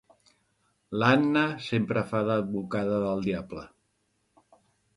L'Anna sempre fa d'advocada del diable.